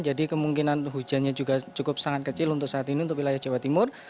jadi kemungkinan hujannya juga cukup sangat kecil untuk saat ini untuk wilayah jawa timur